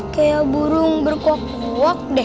kayak burung berkuak kuak deh